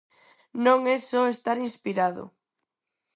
Non é só estar inspirado.